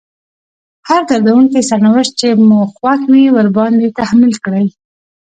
هر دردونکی سرنوشت چې مو خوښ وي ورباندې تحميل کړئ.